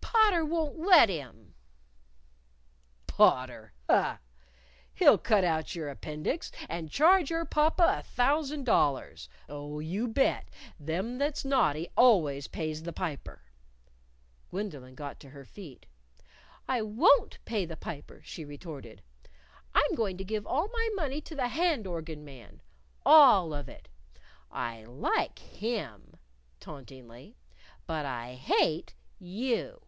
"Potter won't let him." "Potter! Huh! He'll cut out your appendix, and charge your papa a thousand dollars. Oh, you bet, them that's naughty always pays the piper." Gwendolyn got to her feet. "I won't pay the piper," she retorted. "I'm going to give all my money to the hand organ man all of it. I like him," tauntingly. "But I hate you."